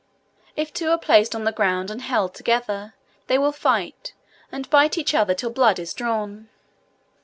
If two are placed on the ground and held together, they will fight, and bite each other till blood is drawn.